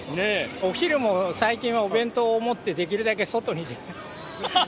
お昼も最近はお弁当を持って、できるだけ外に。